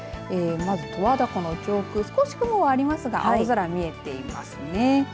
十和田湖の上空、少し雲はありますが青空見えていますね。